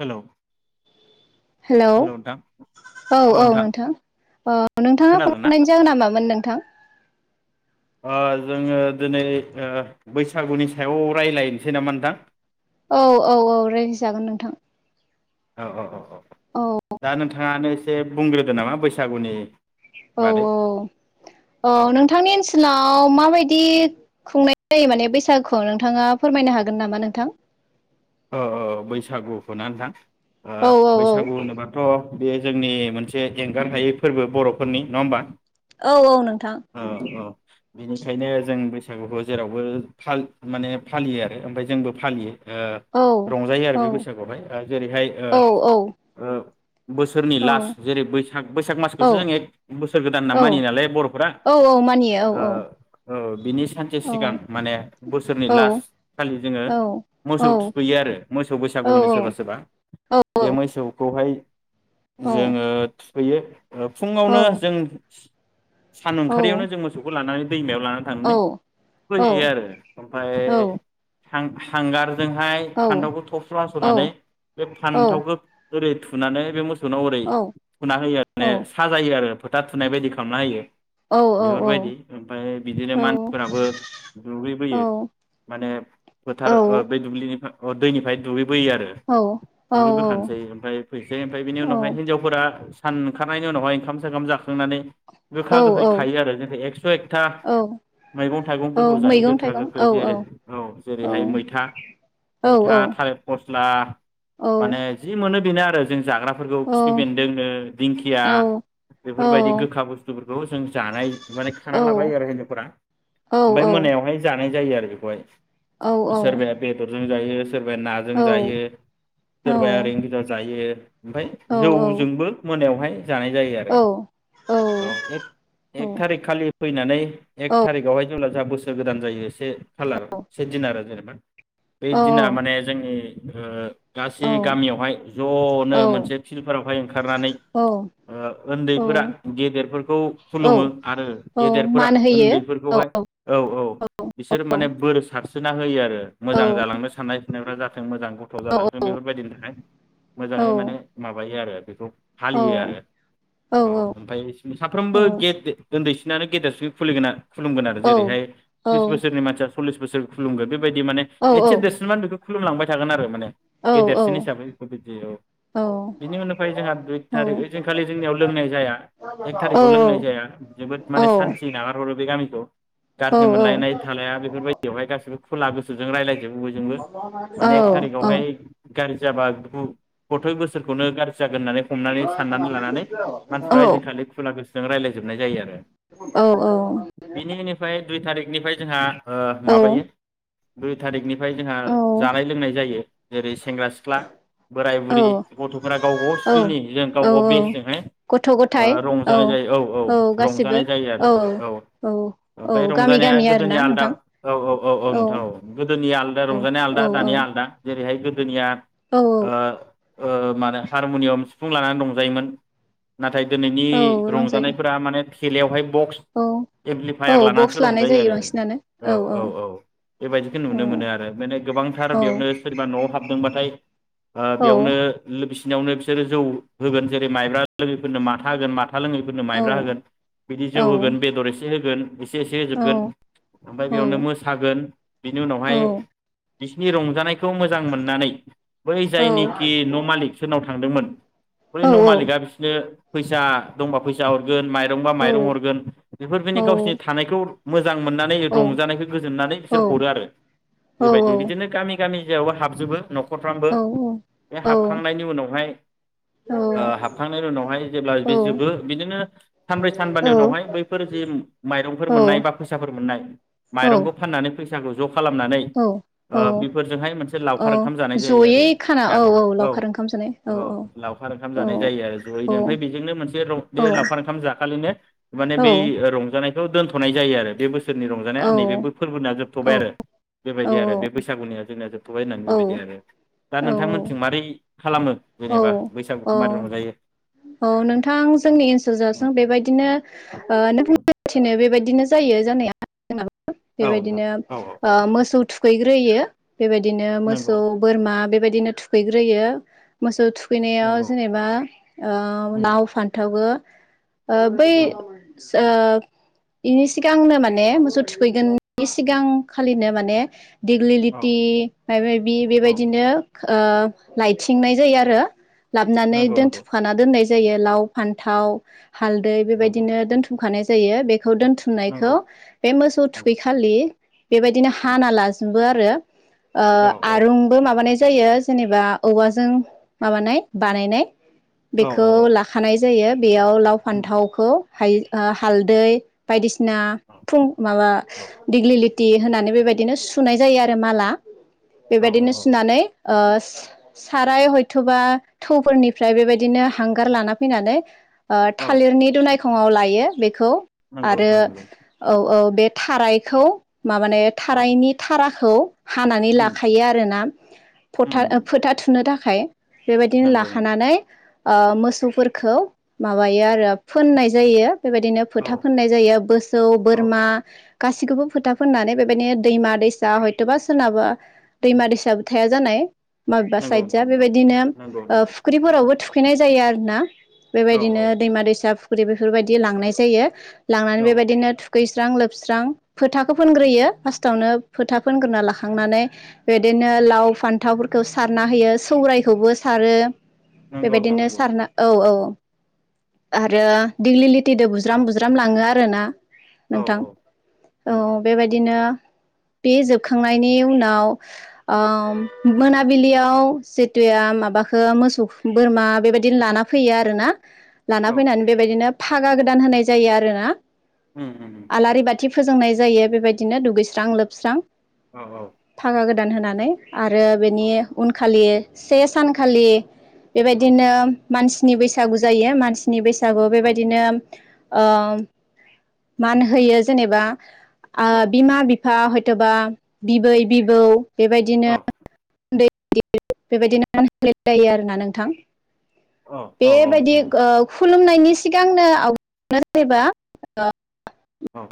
Hello hello औ औ नोंथां नोंथाङा खोनादों फन ना? हरनाय जागोन नामोन नों नोंथां ओ जोङो दिनै ओ बैसागुनि सायाव रायज्लायनोसै नामा नोंथां औ औ औ रायदि जागोन नोंथां औ औ औ दानो थाङानो एसे बुंग्रोदो नामा बैसागुनि औ बादै औ औ नोंथांनि ओनसोलाव माबायदि खुंनाय जायो माने बैसागुखौ नोंथाङा फोरमायनो हागोन नामा नोंथां अ अ बैसागुखौ नथां औ औ औ बैसागु होनोबाथ' बे जोंनि मोनसे एंगार हायै फोरबो बर'फोरनि नङा होमबा औ औ नोंथां औ औ बिनिखायनो जों बे बैसागुखौ जेरावबो माने फालिलिमाने फालियो आरो ओमफ्राय जोंबो फालियो औ रंजायो आरो औ बे बैसागुआवहाय जेरैहाय औ औ बोसोरनि लास्ट जेरै बैसाग बैसाग औ मासखौसो जों एक बोसोर गोदान होनना औ मानिययो नालाय बर'फोरा औ औ मानियो औ बिनि सानसे औ सिगां माने बोसोरनि औ लास् खालि जोङो औ औ मोसौ थुखैयो आरो बमोसौ बैसागु होनो औ सोरबा सोरबा औ औ बे मोसौखौ बेखौ हाय जोङो थुखैयो फुङावनो जों सान ओंखारारियावनो जों मोसौखौ लानानै दैमायाव लाना थांनानै औ दुगै हैयो आरो ओमफाय औ हां-हांगारजोंहाय औ फान्थावखौ थबस्र' औ हास'नानै बे फान्थावखौ ओरै थुनानै बे मोस सुनाव ओरै सुना होयो माने साजायो आरो फोथा थुनाय बायदि खालामना होयो। बेफोरबायदि ओमफाय बिदिनो मानसिफोराबो दुगै बोयो माने फोथार ओ बे दुब्लिनि अ दैनिफ्राय दुगैब बोयो आरो दुगै बोखानोसै ओमफाय फैसै ओमफाय बिनि उनावहाय हिनजावफोरा स सान ओंखारनायनि उनावहाय ओंखाम सोखाम जाखांनानै औ गोखा गोखै खायो आरो जेरै एकस' एकथा औ मैगं औ थाइगंफोरखौ जायो मैगं गोखा थाइगं औ गोखै जेरै औ जेरैहाय मैथा । औ औ मैथा थालि फथ फस्ला औ माने जि मोनो बेनो आरो जों जाग्राफोरखौ औ खिफि बेन्दों ओ दिंखिया औ औ बेफोरबायदि गोखा बुस्थुफोरखौ जों जानाय माने खाना लाबाय आरो हिन्जावफोरा ओमफाय मोनायाव हाय जानाय जायो आरो बेखौहाय। सोरबाया बेदर जायोस सोरबाया नाजों जायो सोरबाया ओरैनो गोजा जायो ओमफाय जौजोंबो मोनायावहाय जानाय जायो आरो औ एक एक थारिख खालि फैनानै एक थारिख आवहाय जेब्ला जा बोसोर गोदान जायो से खालार से दिनार आरो जेनेब ‌। [inaudible] बे दिना माने जों ओ गासै गामियावहाय ज'नो मोनसे फिल्डफोरावहाय ओंखारनानै ओ उन्दैफोरा गेदेरफोरखौ खुलुमो औ आरो औ गेदेरफोरा मान होयो औ उन्दैफोरखौहाय औ औ बिसोर माने बोर सारस्रि सोना होयो आरो। औ मोजां जालांनो साननाय सनायफ्रा जाथों मोजां गथ' औ जालांथों औ बेफोरबायदिनि थाखाय औ मोजाङै माने माबायो आरो बेखौ फालियो औ आरो औ ओमफाय साफ्रोमबो गेट बे उन्दैसिनानो गेदेरसिन खुलिगोन आर। खुलुमगोन आरो जेरैहाय थ्रिस बोसोरनि मानसिया सललिस बोसोर खुुलुमगोन बेबायदि माने एसे देरसिनबानो बेखौ खुलुमलांबाय थागोन आरो माने गेदेरसिन हिसाबै बेखौ बिदि औ। बिनि उनावफ्राय जोंहा दुइ थारिख ओइ जों खालि जोंनियाव लोंनाय जाया एक थारिखआव लोंनाय जाया जोबोद माने सान्थि नागारहरो बे गामिखौ गाज्रि मोनलायनाय थालाया बेफोरबायदियावहाय गासिबो खुला गोसो जों रायलायजबो औ औ गाज्रि जाबा बुखु गथाय बोसोरखौनो गाज्रि जागोन होननानै हमनानै साननानै लानानै मानसिफ्रा आइदिनखालि खुला गोसो जों रायज्लायजोबनाय जायो आरो बिनि उनिफ्राय दुइ थारिखनिफ्राय जोंहा ओ औ माबायो दुइ थारिखनिफ्राय जोंहा जानाय लोंनाय जायो जेरै सेंग्रा सिख्ला बोराय बुरै गथ' होना गावबा गाव स्रिनि हिजों। [unintelligible] बे हाय गथ' गथाय ओ औ रंजानाय जायो औ औ रंजानाय जायो आरो औ औ ओमफ्राय गामि रंजानाया गामि आरोना गोदोनि आलदा नोंथां औ औ औ औ गोदोनिया आलदा रंजानाया औ आलदा औ दानिया आलदा जेरैहाय गोदोनिया औ ओ ओ मा होनो हारमनियम सिफुं लानानै रंजायोमोन। नाथाय दिनैनि औ रंजायो रंजानायफोरा माने खेलायावहाय बक्स औ औ एमप्लिफायार लानानैसो बक्स लानाय रंजायो जायो आरो बांसिनानो औ औ औ बेबायदिखौ औ नुनो मोनो आरो माने गोबांथार औ बेयावनो सोरबा न'आव हाबदोंबाथाय ओ औ बेयावनो बिसिनियावनो बिसोरो जौ होगोन जेरै माइब्रा लोङैफोरनो माथा होगोन माथा माथा लोङैफोरनो औ माइब्रा होगोन बिदि औ जौ होगोन बेदर एसे होगोन एसे एसे औ होजोबगोन ओमफ्राय औ बेयावनो मोसागोन बिनि उनावहाय बिसिनि रंजानायखौ मोजां मोननानै बै औ जायनिखि न' मालिक सोरनाव थांदोंमोन बै न मालिका बिसोरनो फैसा दंबा फैसा हर गोन माइरंबा माइरं हरगोन बेफोरबायदिनो गावसोरनि थानायखौ मोजां मोननानै रंजानायखौ गोजोननानै बिसोर हरो आरो बेबायदि औ बिदिनो गामि गामि जेरावबो हाबजोबो न'ख फ्रामबो औ बे हाबखांनायनि उनावहाय ओ हाबखांनायनि उनावहाय जेब्ला बे जोबो बिदिनो सानब्रै सानबानि उनावहाय बैफोर जि माइंफोर मोननाय बा फैसाफोर मोननाय मरंखौनानै फाननानै फै फैसाखो ज' खालामनानै ओ बिफोरजोंहाय मोनसे लावखार ओंखाम जानाय जायो आरो जयै खाना गामिआव औ लावखार ओंखाम जानाय औ लावखार ओंखाम औ जानाय जायो आरो औ जयैनो इमफाय बेजोंनो मोनसे बे लावखार ओंखाम जाखालिनो माने औ बे रंजानाय दोनथ'नाय जायो आरो औ बे ब [inaudible] थबाय आरो बेबायदि आरो बे बैसागुनि जोंना जोब थथ'बाय होननानै बेबायदि आरो दा औ नोंथांमोनथिं मारै खालामो औ जेनेबा औ बैसागुखौ औ मारै रंजायो औ नोंथां जोंनि उम ओनसोलजासिम बेबायदिनो उम नोंथिनो बेबायदिनो जायो जानाया औ नोंथां बेबादिनो औ औ ओ औ मोसौ थुख खैग्रोयो बेबायदिनो नंगौ मोसौ, बोरमा बेबाय दिनो थुखैग्रोयो मोसौ थु खैनायाव नंगौ जेनेबा ओ उम लाव, फान्था बो ओ बै उम ओ बेनि सिगांनो माने मोसौ थुखैगोन सिगां खालिनो माने दिग्लि औ लटि माब माबि औ बेबायदिनो ओ लाइथिंनाय जायो आरो लाबानै नंगौ नंगौ दोनथुम दोनाय जायो लाव, फान्थाव हाल्दै नंगौ बेबायदिनो दोन्थुमखानाय जायो बे दोनथुमनायखौ नंगौ बे मोसौ नंगौ थुखैखालि बेबायदिनो उम हाना लाजो बो आरो ओ औ औ आरुंबो माबानाय जायो जेनेबा औवाजों माबानाय बानायनाय औ बेखौ औ लाखानाय जायो। बेयाव लाव, उम, फान्थावखौ हायो ओ उम, हाल्दै बायदिसिना औ फुं माबा दिगिलि थि होनानै बेबायदिनो सुनाय जायो आरो माला। औ बेबायदिनो सुनानै ओ सा-साराय हयथ'बा थौफोरनिफ्राय बेबाय दिनो हांगार लाना फैनानै ओ औ थालिरनि दनाय खङाव लायो बे खौ नंगौ आरो नोंथां नंगौ औ औ बे थारायखौ माबाने औ थारायनि थारा खौ हानानै उम, लाखायो आरोना उम, फथा उम, फोथा थुनो था खायो। बेबायदिनो नंगौ नंगौ लाखानानै। ओ मोसौफोरखौ माबायो आरो फोननाय जायो। बेबायदिनो औ फोथा फोननाय जायो बोसौ औ बोरमा। गासिखौबो फोथा फोननानै बेबायदिनो दैमा दैसा हयथ'बा सोरनाबा दैमा दैसायाबो थाया जानाय। माबेबा नंगौ साइद नोंथां जा नंगौ बेबायदिनो नंगौ नंगौ फुख्रिफोरावबो थुख नाय जायो आरोना। औ बेबायदिनो औ दैमा दैसा फुख खुरै बेफोरबायदि लांनाय जायो। लांनानै औ बेबायदिनो थुखै स्रां लोबस्रां फोथाखौ फोनग्रोयो फार्स्टावनो फोथा फोनग्रोना लाखांनानै बिदिनो लाव फान्थावफोरखौ सारना होयो सौरायखौबो सारो। नंगौ नोंथां बेबायदिनो नंगौ सारना औ औ। आरो दिग्लि लिथिदो बुज्राम बुज्राम लाङो आरोना। औ नोंथां औ उम, नोंथां बेबायदिनो बे जोबखांनायनि उनाव उम, आओम। मोनाबिलियाव जिटुया माबाखो मोसौ बोरमा बेबायदि लाना फैयो आरोना। लाना औ फैनानै बेबायदिनो फागा गोदान होनाय जायो आरो ना। उम उम उम। थि फोजोंनाय जायो बेबायदिनो दुगैस्रां लोबस्रां। औ औ। दान होनानै। आरो औ बेनि उनखालि से सानखालि औ बेबायदिनो मानसिनि बैसागु जायो मानसि नि बैस सागु औ बेबायदिनो ओ मान होयो जेनेबा आ औ बिमा बिफ फा हयथ'बा बिबै बिबौ। बेबायदिनो औ उन्दै गिदिर बेबायदिनो हो [unintelligible] जायो आरोना नोंथां। औ औ बेबायदि नोंथां ओ खुलुमनायनि सिगांनो आव [unintelligible] नो जेनेबा ओ औ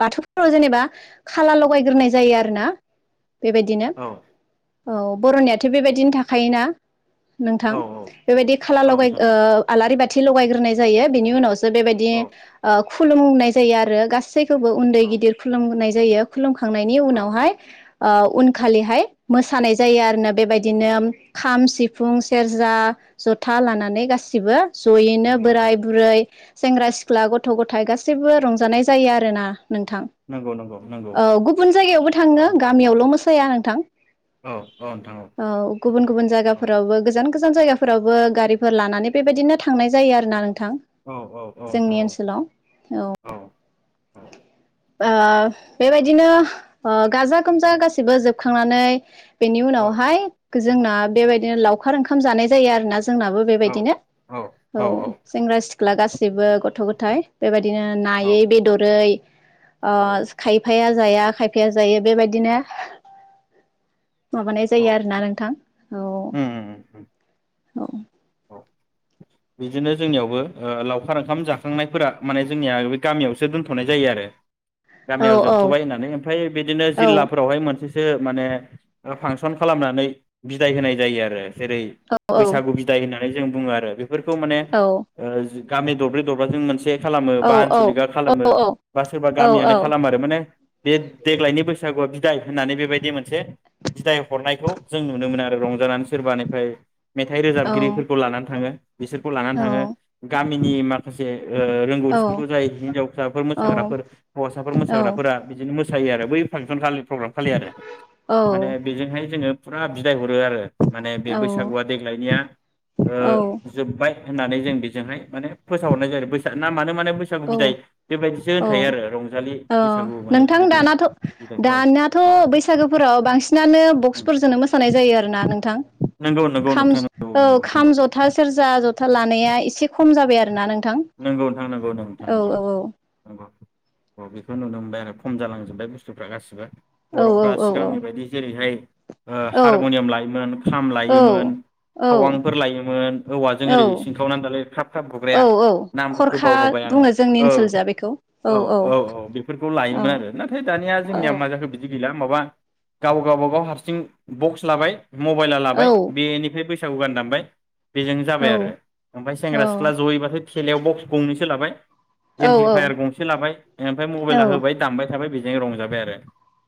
बाथौफोराव जेनेबा खाला लगायग्रोनाय जायो आरो ना। बेबायदिनो औ औ बरनियाथ बेबायदिनो थाखायोना। नोंथां औ बेबायदि खाला औ लगाय नोंथां ओ आलारि बाथ थि लगायग्रोनाय जायो बिनि उनावस बेबायदि औ ओ खुलुमनाय जायो आरो गास गासैखौबो उन्दै औ गिदिर खुलुहोनाय जायो खुलुमख थांनायनि औ उनावहाय ओ उनखालिहाय मोसानाय जायो आरोना बेबायदिनो खाम सिफुं सेरजा जथा लानानै गासिबो जयैनो नंगौ बोराय नंगौ बुरै सेंग्रा सिख्ला गथ' गथायाइ गासैबो रंजानाय जायो आरो ना। नोंथां नंगौ नंगौ नंगौ ओ गुबुन जायगायावबो थाङो नंगौ गामियावल' मोस फैया नोंथां। औ औ नोंथां औ गुबुन गुबुन औ जायगाफोरावबो गोजान गोजान जायगाफोरावबो गारिफोर लानानै बेबायदिनो थांनाय जायो आरो ना [unintelligible] नोंथां औ औ औ नोंथां जोंनि औ ओनसोलाव औ औ ओ बेबायदिनो ओ गाजा गोमजा औ गासिबो जोब खांनानै बेनिउनावहाय गोजोंना बेबायदिनो लावखार ओंखाम जानाय जायो आरोना जोंनाबो औ बेबायदिनो औ सेंग्रा सिख ख्लागास [unintelligible] बो गथ' गथाय बेबायदिनो औ नायै बेदरै ओ खायफाया जाया खायफाया जायो बेबायदिनो माबानाय औ जायो आरोना नोंथां औ उम उम उम औ बिदिनो जोंनियावबो लावखार ओंखाम जाखांनायफोरा माने जोंनिया बे गामियावसो दोनथ'नाय जायो आरो। औ गामियाव जोबथ'बाय होननानै ओमफ्राय बिदिनो औ जिल्लाफोरावहाय मोन सो माने फांसन खालामनानै बिदाय होनाय जायो आरो। जेरै औ औ बैसागु बि होननानै जों बुङो आरो बे बेफोरखौ माने औ ओ गामि दरब्रै दरब्राजों मोनसे खालामो बा औ आनसलिक खालामो बा सोरबा गामियनो खालाम आरो माने बे देग्लायनि बैसागुआ बिदाय होननानै बेबायदि मोनसे बिदाय हरनायखौ जों नुनो मोनो आरो रंजानानै सोरबानिफ्राय मेथाइ रोजाबि गिफोरखौ लानानै थाङो। बिसोरखौ लानानै थाङो गामिनि माखासे ओ रोंगौथिफोरखौ जाय हिनजावसाफोर मोसाग्राफोर हौवासाफोर मोसाग्राफोरा बिदिनो मो जायो आरो बै फांसन खालि प्रग्राम फालियो आरो औ माने बेजोंहाय जोङो फुरा बिदाय हरो आरो माने बे बैसागुआ देग्लायनिया ओ जोब्बाय होननानै जों बेजोंहाय माने फोसाव हरनाय जायो नामानो माने बैसागु औ बिदाय बेबायदिसो औ होनखायो आरो रंजालि औ बैसागु माने नोंथां बेबायदि दानाथ' बिदाय औ दानियाथ' औ बैसागोफोराव बांसिनानो बक्सफोरजोंनो मोसानाय जायो आरोना नोंथां नंगौ नंगौ खाम नोंथां नंगौ औ नंगौ नंगौ खाम ज'था सेरजा ज'था लानाया एसे खम जाबाय आरो [unintelligible] नंगौ नोंथां नंगौ नंगौ। औ औ औ नंगौ अ बेखौ नुनो मोनबाय आरो खम जालांजोबबाय बुस्थुफ्रा गासिबो। औ बर'फ्रा औ सिगांनि बायदि जेरैहाय ओ औ हारमुनियाम लायोमोन खाम औ लायोमोन थावांफोर लायोमोन औवाजों औ ओरै सिंखावनानै दालाय ख्राब ख्राब औ गुग्राया औ नामफोरखौ खरखा बावहरबाय आङो बुङो जोंनि औ ओनसोल जा बेखौ औ औ औ बेफोरखौ औ लायोमोन आरो नाथाय दानिया औ जोंनिया मा जाखो बिदिनो गैला माबा गाव गावबागाव हारसिं बक्स लाबाय मबाइला औ लाबाय बेनिफ्राय [unintelligible] गान दामबाय बेजोंनो औ जाबाय आरो ओमफाय सेंग्रा सिख्ला जयैबाथाय [unintelligible] बक्स गंनैसो लाबाय औ एमप्लिफायार गंसे लाबाय ओमफाय मबाइला होबाय दामबाय [unintelligible] बेजों रंजाबाय आरो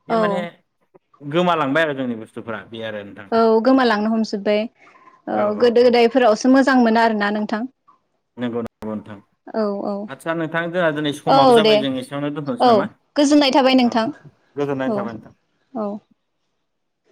बे औ माने गोमालांबाय आरो जोंनि बुस्थुफ्रा औ गोमालांनो हमजोब्बाय ओ औ औ गोदो औ गोदायफोरावसो मोजां मोनो आरोना नोंथां नंगौ नंगौ नोंथां औ औ आदसा नोंथां जोंङा दिनै औ समाबो दे जाबाय जों एसेयावनो दोनथ'नोसै औ नामा गोजोननाय थाबाय औ नोंथां गोजोननाय औ थाबाय नोंथां औ